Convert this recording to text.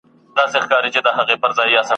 شاعر: خلیل جبران ..